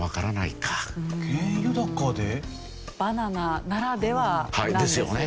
バナナならではなんですよね。